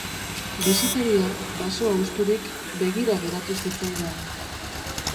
Bisitaria, basoa husturik, begira geratu zitzaidan.